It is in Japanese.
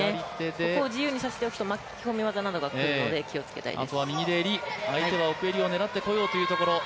ここを自由にさせとおくと巻き込み技がくるので気をつけておきたいです。